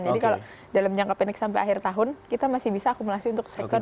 jadi kalau dalam jangka pendek sampai akhir tahun kita masih bisa akumulasi untuk sektor batubara